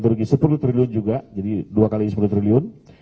rugi sepuluh triliun juga jadi dua x sepuluh triliun